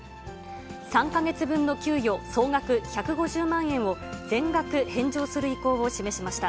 ３か月分の給与総額１５０万円を、全額返上する意向を示しました。